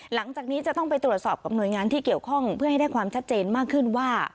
หลังจากนี้จะต้องไปตรวจสอบกับหน่วยงานที่เกี่ยวข้องเพื่อให้ได้ความชัดเจนมากขึ้นว่า